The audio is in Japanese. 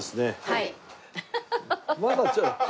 はい。